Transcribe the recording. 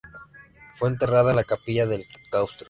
Fue enterrada en la capilla del claustro.